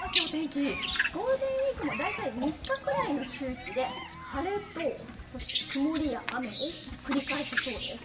ゴールデンウイークも大体３日くらいの周期で晴れと曇りや雨を繰り返しそうです。